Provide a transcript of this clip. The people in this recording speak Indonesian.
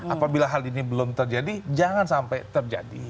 apabila hal ini belum terjadi jangan sampai terjadi